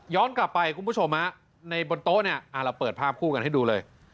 กลับไปคุณผู้ชมในบนโต๊ะเนี่ยเราเปิดภาพคู่กันให้ดูเลย